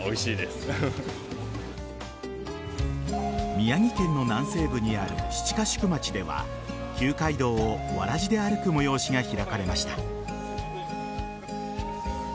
宮城県の南西部にある七ヶ宿町では旧街道をわらじで歩く催しが開かれました。